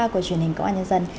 của truyền hình công an nhân dân